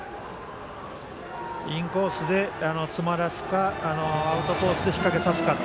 インコースで詰まらせるかアウトコースで引っ掛けさすか。